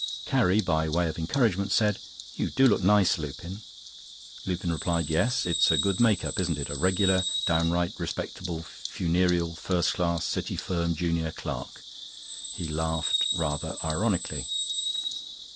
Carrie, by way of encouragement said: "You do look nice, Lupin." Lupin replied: "Yes, it's a good make up, isn't it? A regular downright respectable funereal first class City firm junior clerk." He laughed rather ironically.